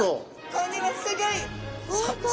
これはすギョい！